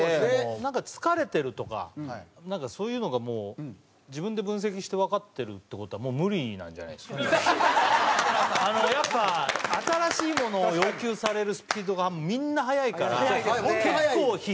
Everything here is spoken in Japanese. なんか疲れてるとかそういうのがもう自分で分析してわかってるって事はもうやっぱ新しいものを要求されるスピードがみんな速いから結構疲弊してるんですよね